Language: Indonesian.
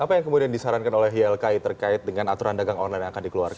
apa yang kemudian disarankan oleh ylki terkait dengan aturan dagang online yang akan dikeluarkan